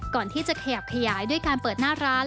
ก่อนที่จะขยับขยายด้วยการเปิดหน้าร้าน